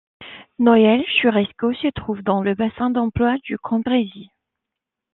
Noyelles-sur-Escaut se trouve dans le bassin d'emploi du Cambrésis.